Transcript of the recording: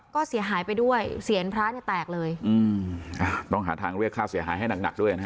ก็เสียหายไปด้วยเสียงพระเนี่ยแตกเลยอืมอ่าต้องหาทางเรียกค่าเสียหายให้หนักหนักด้วยนะฮะ